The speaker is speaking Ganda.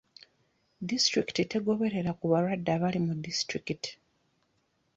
Disitulikiti tegoberera ku balwadde abali mu disitulikiti.